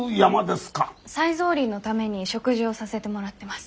再造林のために植樹をさせてもらってます。